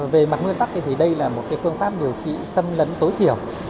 về mặt nguyên tắc thì đây là một phương pháp điều trị xâm lấn tối thiểu